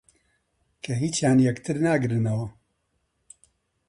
کە هیچیان یەکتر ناگرنەوە